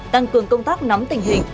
tăng cường công tác nắm tình hình